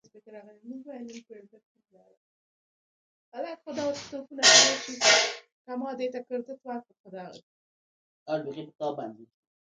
هغوی یوځای د حساس پسرلی له لارې سفر پیل کړ.